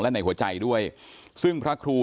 และในหัวใจด้วยซึ่งพระครู